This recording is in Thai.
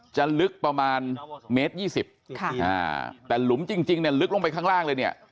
จะลึกประมาณเมตร๒๐แต่หลุมจริงเนี่ยลึกลงไปข้างล่างเลยเนี่ย